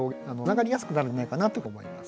つながりやすくなるんじゃないかなというふうに思います。